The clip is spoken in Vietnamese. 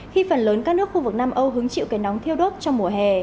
khi phần lớn các nước khu vực nam âu hứng chịu cái nóng